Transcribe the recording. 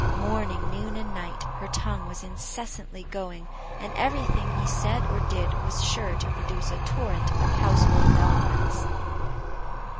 Morning, noon, and night, her tongue was incessantly going, and every thing he said or did was sure to produce a torrent of household eloquence.